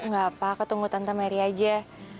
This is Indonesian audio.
gak apa aku tunggu tante merry aja